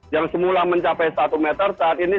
yang semula mencapai satu meter saat ini